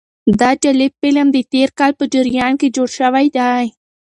دا جالب فلم د تېر کال په جریان کې جوړ شوی دی.